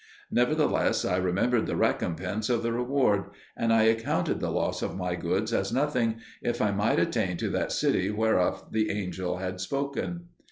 Nevertheless, I remembered the recompense of the reward; and I accounted the loss of my goods as nothing, if I might attain to that city whereof the angel had spoken.